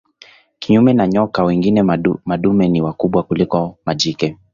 Kinyume na nyoka wengine madume ni wakubwa kuliko majike.